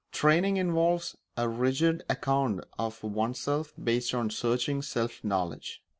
Training involves a rigid account of oneself based on searching self knowledge.